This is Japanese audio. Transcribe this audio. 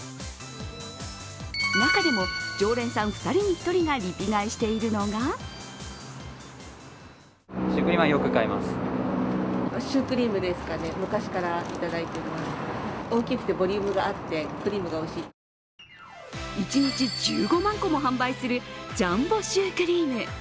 中でも常連さん２人に１人がリピ買いしているのが一日１５万個も販売するジャンボシュークリーム。